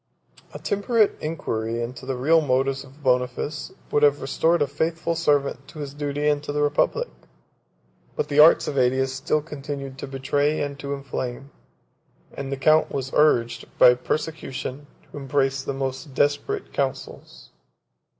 A temperate inquiry into the real motives of Boniface would have restored a faithful servant to his duty and to the republic; but the arts of Ætius still continued to betray and to inflame, and the count was urged, by persecution, to embrace the most desperate counsels.